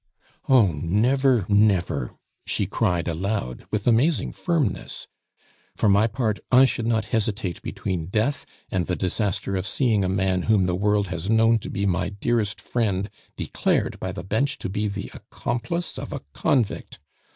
"Oh! never, never!" she cried aloud, with amazing firmness. "For my part, I should not hesitate between death and the disaster of seeing a man whom the world has known to be my dearest friend declared by the bench to be the accomplice of a convict.